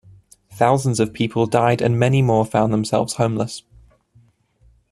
Thousands of people died and many more found themselves homeless.